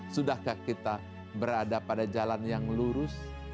sudahkah kita berada pada jalan yang lurus